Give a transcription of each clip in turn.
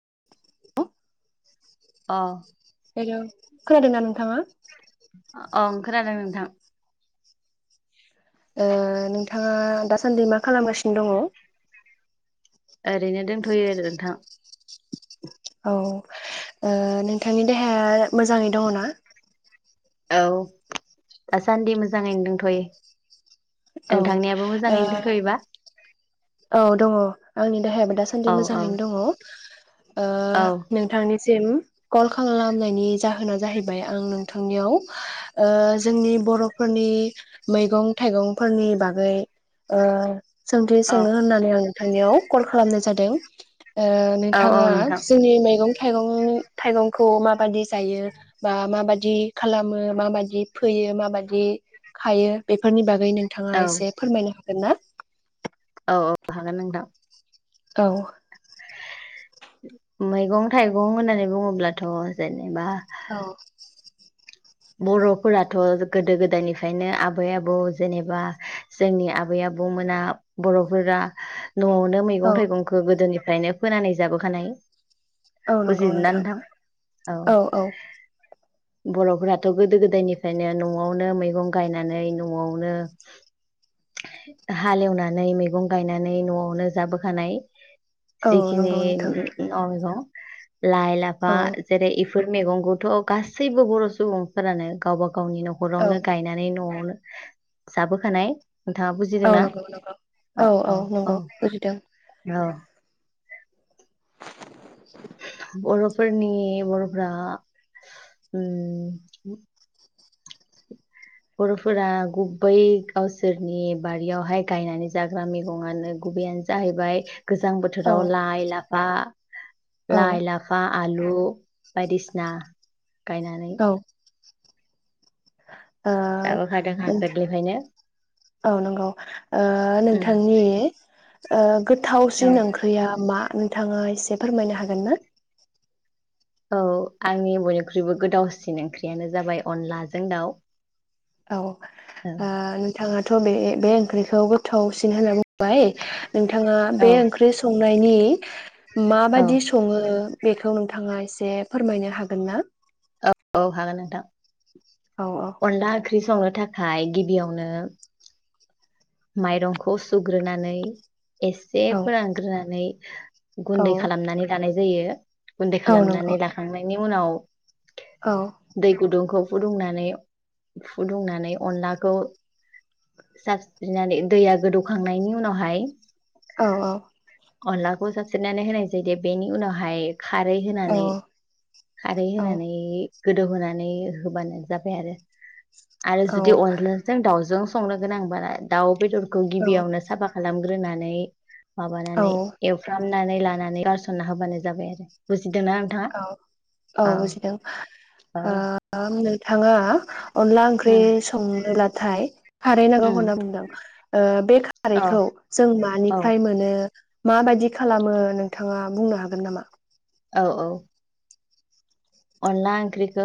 [inaudible] अ hello खोनादोंना नोंथाङा? अं खोनादों नोंथां। ओ नोंथाङा दासान्दि मा खालामगासिनो दङ? ओ रैनो दंथ'यो आरो नोंथां। औ ओ नोंथांनि देहाया मोजाङै दङ ना? औ दासान्दि मोजाङैनो दंथ'यो। औ ओंथांनियाबो ओ मोजाङैनो दंथ'योबा? औ दङ आंनि देहायाबो औ दासान्दि औ मोजाङैनो दङ। ओ औ नोंथांनि सिम कल खालामनायनि जाहोना जाहैबाय आ नोंथांनिआव ओ जोंनि बर'निफोरनि मैगं थाइगंफोरनि बागै ओ सोंथि औ सोंनो होननानै आं थांनायाव कल खालामनाय जादों। ओ औ औ नोंथाङा नोंथां जोंनि मैगं थाइगंनि थाइगंखौ माबायदि जायो बा माबाद दि खालामो माबादि फैयो माबादि खायो बेफोरनि बाग गै नोंथाङा औ एसे फोरमायनो हागोन ना? औ औ हागोन नोंथां। औ मैगं थाइगं होननानै बुङोब्लाथ' जेन नेबा बर'फोराथ' गोदो गोदायनिफ्रायनो आबै आबौ जेनेबा जोंनि आबै आबौमोना बर'फोरा न'आवनो औ मैगं थाइगंखौ गोदोनि निफ्रायनो फोनानै जाबोखानाय । औ नंगौ नोंथां औ औ । बर'फोरा गोदो गोदायनिफ्रायनो न'आवनो मैगं गायनानै न'आवनो हालेवनानै मैगं गायनानै न'आवनो जाबोखानाय । औ जिखिनि नंगौ नोंथां [unintelligible] लाइ लाफा औ जेरै बेफोर मैगंखौथ' गासैबो बर' सुबुं फोरानो गावबा गाव गावनि औ न'खरावनो गायनानै न'आवनो जाबोखानाय नोंथाङा औ बुजिदोंना नंगौ नंगौ औ औ नंगौ बुजिदों । औ बर' फोरनि बर'फ्रा उम बर'फोरा गुबै गावसोरनि बारियावहाय गायनानै जाग्रा मैगङानो गुबैयानो जाहैबाय । गोजां औ बोथोराव लाइ ला लाफा औ लाइ, लाफा, आलु बायदि सिना गायनानै ओ ओ जाबोखादोंखा नोंथां गोरलैनिफ्रायनो औ नंगौ ओ नोंथांनि ओ । औ गोथावसिन ओंख्रिया मा? नोंथाङा एसे फोरमायनो हागोन ना? औ आंनि बयनिख्रुइबो गोथावसिन ओंख्रियानो जाबाय अनलाजों दाउ औ ओ औ नोंथाङा बे ओंख्रिखौ गोथावसिन । सिन होनना बुंबाय नोंथाङा औ बे ओंख्रि सं नायनि औ माबादि सङो? बेखौ नोंथाङा एसे फोरमायनो हागोन ना? औ औ हागोन नोंथां औ । अनला ओंख्रि संनो थाखाय गिबियावनो माइरंखौ सुग्रोनानै एसे औ फोरानग्रोनानै गुनदै खालामनानै लानाय जा यो गुनदै औ नंगौ खालामनानै लाखांनायनि उनाव औ दै गुदुंखौ फुदुंनानै फुदुंनानै अनलाखौ सा सिफ्रिनानै दैया गोदौखांनायनि उनावहाय औ औ अनलाखौ सारस्रोनानै होनाय जायो बेनि उनावहाय खारै औ होनानै खारै होनानै गोदौहोनानै होबानो जाबाय आरो आरो जुदि अनलाजों दाउजों संनो गोनांबा दाउ बेदर खौ गिबियावनो साफा खालाम ग्रोनानै औ माबानानै एवफ्राम नानै गारसनना होबानो जाबाय आरो बुजि औ औ बुजिदों औ ओ नोंथाङा अनला ओंख्रि उम संनोब्ला थाय खारै नांगौ उम होनना बुंदों बे औ खारैखौ जों मानिफ्राय मोनो माबायदि खालामो नोंथाङा बुंनो हागोन नामा औ औ अनला ओंख्रिखौ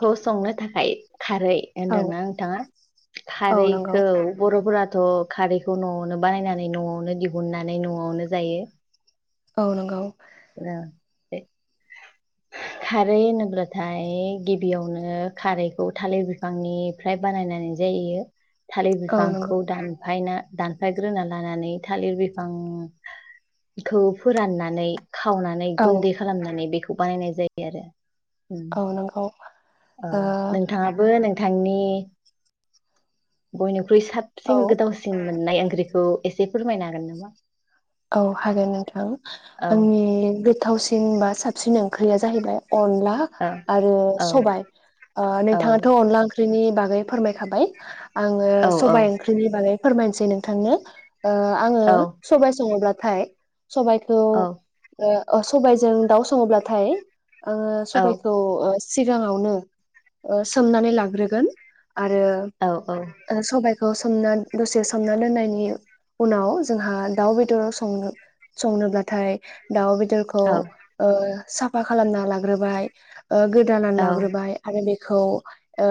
खौ संनो थाखाय खारै औ होनदोंना नोंथाङा औ नंगौ खारैखौ बर'फोरा थ' खारैखौ न'आवनो बानायनानै न'आवनो दिहुननानै न'आवनो जायो औ नंगौ औ [unintelligible] खारै होनोब्लाथाय गिबियावनो खारैखौ थालिर बिफांनिफ्राय बानायनानै जायो थालिर औ नंगौ बिफांखौ दानफायना दानफायग्रोना लानानै थालिर बिफांखौ फोराननानै खावनानै औ गुनदै खालामनानै बेखौ खौ बानायनाय जायो आरो औ नंगौ औ ओ ओम नोंथाङाबो नों नोंथांनि बयनो ख्रुय औ साबसिन गोथावसिन मोननाय ओंख्रिखौ एसे फोरमायनो हागोन नामा? औ हागोन नोंथां औ आंनि गोथावसिन बा साबसिन ओंख्रिया जाहैबाय अनला औ आरो सबाइ ओ औ नोंथाङाथ' अनला ओंख्रि नि बागै फोरमायखाबाय आङो औ सबाइ ओंख्रिनि बागै फोरमायनो नोसै नोंथांनो ओ आङो औ सबाइ सङोब्लाथाय सबाइखौ औ ओ ओ सबाइजों दाउ सङोब्लाथाय आङो औ सबाइखौ ओ सिगाङावनो सोमनानै लाग्रोगोन आरो औ सबाइ खौ सोमना दसे सोमना दोननायनि उनाव जोंहा दाउ बेद र संनो संनोब्लाथाय दाउ बेदरखौ ओ साफा खालामना लाग्रोबाय ओ गोदानानै औ लाग्रोबाय आरो बे खौ ओ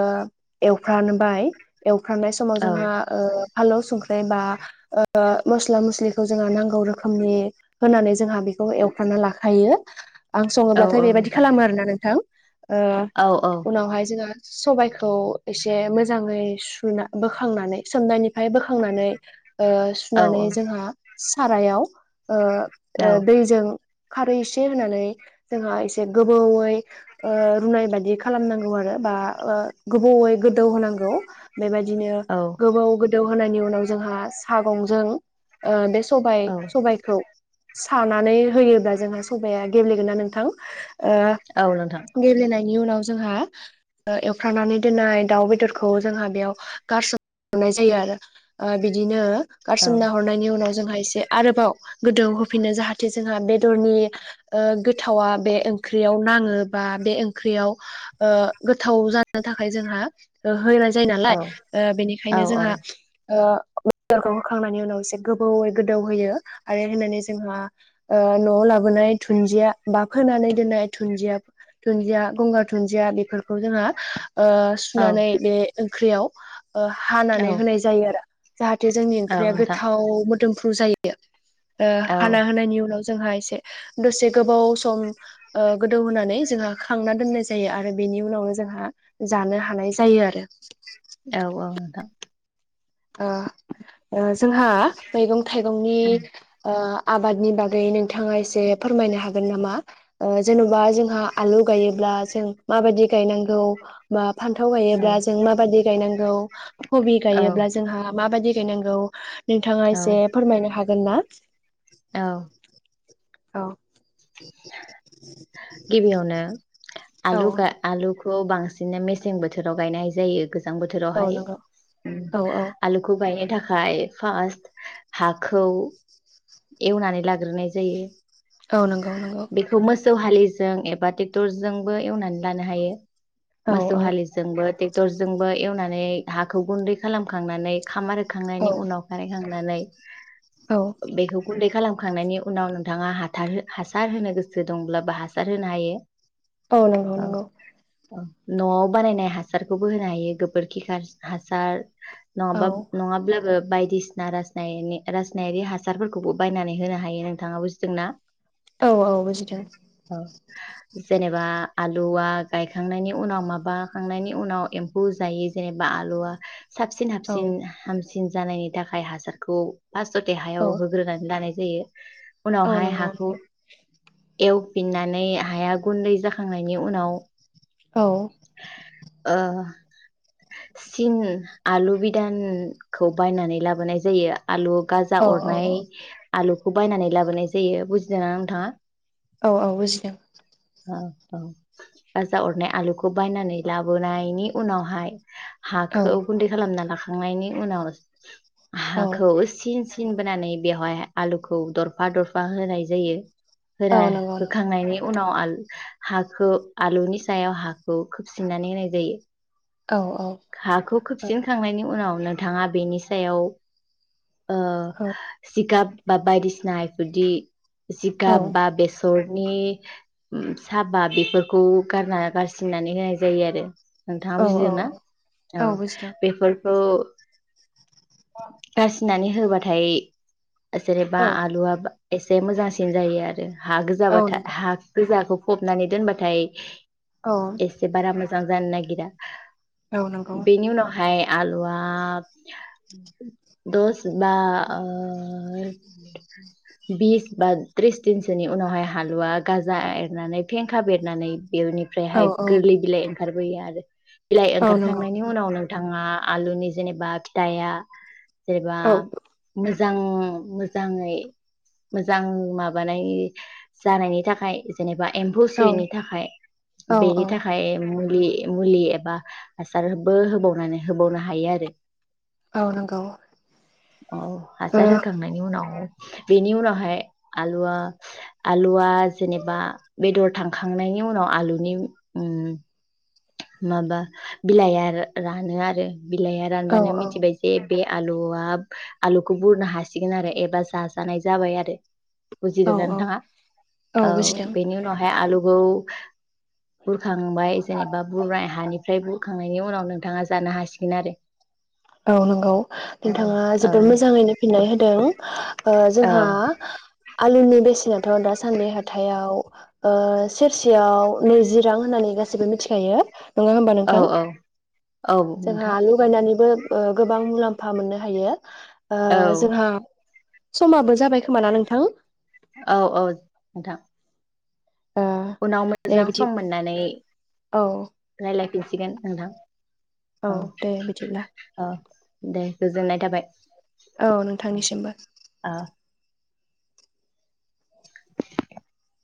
एवफ्रामबाय एव फ्रामनाय समाव जोंहा ओ फानलौ संख्रि बा ओ मस्ला मस्लि जोंहा नांगौ रोखोमनि होनानै जोंहा बेखौ एवफ्रामना लाखायो आं सङोब्लाथाय बेबायदि खालामो आरोना नोंथां ओ उनावहाय जोङो सबाइखौ एसे मोजाङै सुना बोखांनानै सोमनायनिफ्राय बोखांनानै ओ सुनानै जोंहा सारायाव ओ ओ दैजों खारै एसे होनानै जोंहा एसे गोबौयै ओ रुनाय बायदि खालामनांगौ आरो बा गोबौयै गोदौ होनांगौ बेबायदिनो औ गोबाव गो दौहोननि उनाव जोंहा सागंजों ओ औ सबाइ-सबाइखौ सानानै होयोब्ला जोंहा सबाइया गेब्लेगोन ना नोंथां औ नोंथां ओ गेब्लेनायनि बेनि उनाव जोंहा ओ एवफ्रामनानै दोननाय दाउ बेदरखौ जोंहा बेयाव गारसोमनाय जायो आरो ओ बिदिनो औ गारसोमना हरनायनि उनाव एसे आरोबाव गोदौहोफिनो जाहाथे जोंहा बेदरनि ओ गोथावा बे ओंख्रियाव नाङो बा बे ओंख्रियाव ओ गोथाव जानो थाखाय जोंहा होनाय जायो औ नालाय ओ औ बेनिखायनो औ जोंहा ओ बेदरखौ होखांनायनि उनाव एसे गो यै गोदौहोयो आरो होननानै जोंहा न'आव लाबोनाय दुनजिया बा फोनानै दोननाय दुनजिया गंगार दुनजिया गंगार दुनजिया बेफोरखौ जोङो ओ औ सुनानै बे ओंख्रियाव [inaudible] ओ हानानै होनाय जायो आरो जाहाथे जोंनि औ ओंख्रिया नोंथां गोथाव मोदोमफ्रु जायो ओ औ हाना होनायनि उनाव जोंहा एसे दसे गोबाव सम ओ गोदौहोनानै जोंहा खांना दोननाय जायो आरो बेनि उनावनो जोंहा जानो हानाय जायो आरो औ औ नोंथां आह ओ जोंहा मैगं थाइगंनि ओ आबादनि बागै नोंथाङा एसे फोरमायनो हागोन नामा ओ जेन'बा जोंहा आलु गायोब्ला जों माबादि गायनांगौ बा फान्थाव गायोब्ला जों माबादि गायनांगौ कबि औ नोंथां औ नोंथां औ गायोब्ला जों हा माबायदि गायनांगौ नोंथाङा एसे फोरमायनो हागोन ना औ औ गिबियावनो औ आलु गाय आलु खौ बांसिननो मेसें बोथोराव गायनाय जायो गोजां औ बोथोरावहाय नंगौ ओम औ औ आलुखौ गायनो थाखाय थाखाय फारस्ट हाखौ एवनानै लाग्रोनाय जायो औ नंगौ औ नंगौ बेखौ मोसौ हालिजों एबा टेक्टरजोंबो एवनानै लानो हायो औ मोसौ औ हालिजोंबो ट्राकटर- टेकटरजोंबो एवनानै हाखौ गुनदै खालामखांनानै खामार खांनायनि औ उनावहाय नानै औ [unintelligible] बेखौ गुनदै खालामो । खांनायनि उनाव नोंथाङा हाथार हासार होनो गोसो दंब्लाबो हासार होनो हायो । औ नंगौ नंगौ । न'आव बानायनाय हासारखौबो होनो हायो गोबोरखि हासा हासार। औ नङाबा नङाब्लाबो बायदिसिना रासायनिक रासनायारि हासारफोरखौबो बायनानै होनो हायो नोंथाङा बुजिदोंना? औ औ बुजिदों औ । जेनेबा आलुआ गायखांनायनि उनाव माबाखांनायनि उनाव एमफौ जायो जेनेबा आलुआ साबसिन औ हाबसिन हामसि हांसिन जानायनि थाखाय हासारखौ फास्तथाव औ हायाव होग्रोनानै दानाय जायो । औ उनावहाय नंगौ हाखौ नंगौ एवफिननानै हाया गुनदै जाखांनायनि उनाव औ । ओ सिन [unintelligible] आलु बिदानखौ बायनानै लाबोनाय जायो । आलु गाजा औ औ औ अरनाय आलु खौ बायनानै लाबोनाय जायो बुजिदों ना नोंथाङा? औ औ बुजिदों । औ औ गाजा अरनाय आलुखौ बायनानै लाबोनायनि उनावहाय औ हाखौ गुनदै खालामना लाखां खांनायनि उनाव औ हाखौ एसेसो सिन बोनानै बेवहाय आलुखौ दरफा दरफा होनाय जायो । औ फोरा नंगौ नंगौ होखांनायनि उनाव हाखौ आलुनि सायाव हाखौ खोबसिननानै होनाय जायो ‌। औ औ हाखौ खोबसिनखांनायनि उनाव नोथाङा बेनि सायाव ओ औ जिगाब बा बायदिसिना इफोरदि औ जिगाब थासरनि सापाट बेफोरखौ गारना गारसिननानै होनाय जायो आरो नोंथाङा औ बुजिदोंना औ औ बेफोर औ गारसिनानै होबाथाय जेनेबा औ आलुआ एसे मोजांसिन जायो आरो हा औ गोजाबाथाय नंगौ हा गोजाखौ फबनानै दोनबाथाय औ एसे बारा मोजां जां जानो नागिरा औ नंगौ बेनि उनावहाय आलुवा दस बा ओ बिस बा त्रिस दिनसोनि उनावहाय आलुवा गाजा बेरनानै फेंखा बेरनानै औ बेनिफ्रायहाय औ गोरलै बिलाइ ओं- खारबोयो आरो बिलाइ औ नंगौ ओंखारखांनायनि उनाव नोंथाङा आलुनि जेनेबा फिथाइया [inaudible] सबा औ [unintelligible] मोजां मोजाङै मोजां माबानाय जानायनि थाखाय जेनेबा एमफौ औ सुयैनि थाखाय औ बेनि औ थाखाय मुलि मुलि एबा हासारबो होबावनानै होबावनो हायो आरो औ नंगौ औ ओ हासार होखांनायनि उनाव बेनि उनावहाय आलुवा आलुवा जेनेबा बेदर थांखांनायनि उनाव आलुनि ओम माबा बिलाइआ रानो आरो बिलाइया औ रानबानो मिथिबाय जे बे आलुआ आलुखौ बुरनो हासिगोन आरो एबा जाजानाय जाबाय आरो औ बुजिदों औ नोंथाङा औ बेनि उनावहाय आलु खौ बुरखांबाय बुंखांनायनि उनाव नोंथाङा जानो हासिगोन आरो औ नंगौ नोंथाङा औ जोबोद मोजाङैनो फिननाय होदों औ जोंहा आलुनि बेसेनाथ' दासान्दि हाथायाव ओ सेरसेयाव नैजि रां होननानै गासैबो मिथिखायो नङा होमबा औ नोंथां औ जोंहा नोंथां आलु गायनानैबो ओ गोबां मुलाम्फा मोननो हायो। ओ औ जोंहा समाबो जाबाय खोमा ना नोंथां औ औ नोंथां ओ उनाव दे मोजां बिदि सम मोननानै औ रायलाय फिनसिगोन नोंथां औ दे बिदिब्ला औ दे गोजोननाय थाबाय औ नोंथांनिसिमबो औ [inaudible]